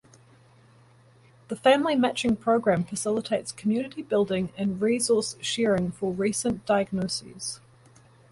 The family matching program facilitates community building and resource sharing for recent diagnoses.